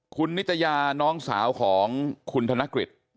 คุณนิตยาน้องสาวของคุณธนกฤษ